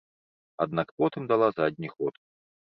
Аднак потым дала задні ход.